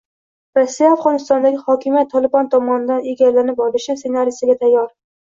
Rossiya Afg‘onistondagi hokimiyat “Tolibon” tomonidan egallab olinishi ssenariysiga tayyor